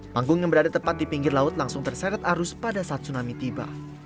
panggung yang berada tepat di pinggir laut langsung terseret arus pada saat tsunami tiba